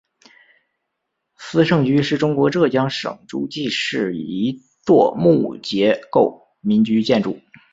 斯盛居是中国浙江省诸暨市一座木结构民居建筑。